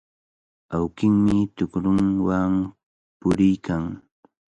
Awkinmi tukrunwan puriykan.